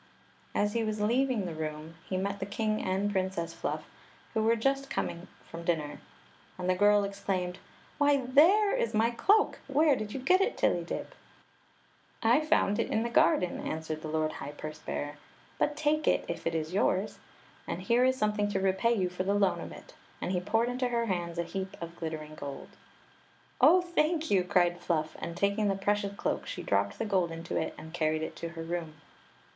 As he was leaving the room, he met the king and Princess Fluff, who were just come from dinner ; and the girl exclaimed : "Why, there is my cloak! Where did you get it, Tillydib?" " I found it in the garden," answered the lord high purse bearer; "but take it, if it is yours. And here is something to repay you for the loan of it;" and he poured into her hands a heap of glittering gold. ." Oh, thank you !" cried Fluff; and taking the pre cious cloak she dropped the gold into it and carried it to her room.